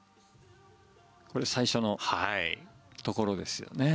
これ最初のところですよね。